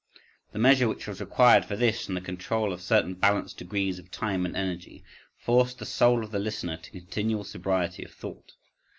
The measure which was required for this and the control of certain balanced degrees of time and energy, forced the soul of the listener to continual sobriety of thought.